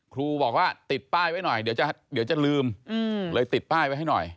ครูบอกว่าติดป้ายไว้หน่อยเดี๋ยวจะลืมเลยติดป้ายไว้ให้หน่อย